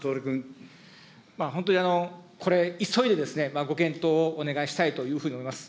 本当にこれ、急いで、ご検討をお願いしたいというふうに思います。